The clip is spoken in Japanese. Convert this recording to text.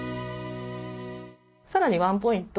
さらにワンポイント